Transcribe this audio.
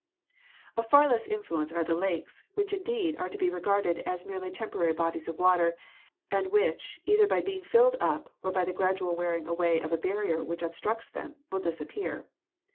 Of far less influence are the lakes, which indeed are to be regarded as merely temporary bodies of water and which either by being filled up or by the gradual wearing away of a barrier which obstructs them will disappear.